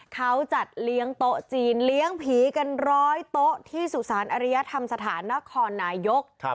เขาจัดเลี้ยงโต๊ะจีนเลี้ยงผีกันร้อยโต๊ะที่สุสานอริยธรรมสถานนครนายก